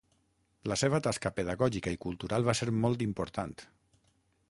La seva tasca pedagògica i cultural va ser molt important.